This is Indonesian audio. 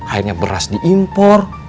akhirnya beras diimpor